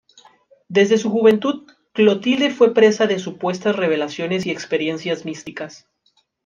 Desde su juventud, Clotilde fue presa de supuestas revelaciones y experiencias místicas.